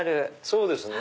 そうですね。